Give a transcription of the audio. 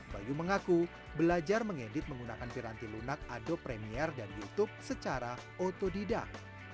bayu mengaku belajar mengedit menggunakan piranti lunak adopremier dan youtube secara otodidak